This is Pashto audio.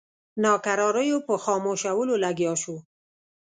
ناکراریو په خاموشولو لګیا شو.